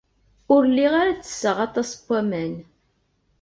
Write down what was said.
Ur lliɣ ara ttesseɣ aṭas n waman.